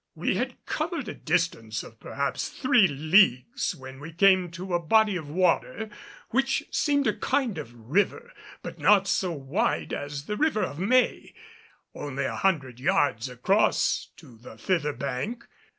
We had covered a distance of perhaps three leagues when we came to a body of water, which seemed a kind of river, but not so wide as the River of May; only a hundred yards across to the thither bank.